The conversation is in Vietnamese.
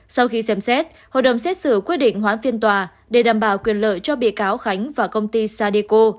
sau khi xem xét hội đồng xét xử quyết định hoãn phiên tòa để đảm bảo quyền lợi cho bị cáo khánh và công ty sadeco